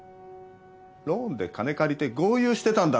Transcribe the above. ローンで金借りて豪遊してたんだろ？